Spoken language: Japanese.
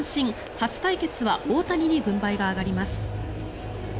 初対決は大谷に軍配が上がります。